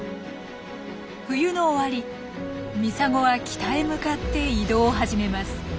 冬の終わりミサゴは北へ向かって移動を始めます。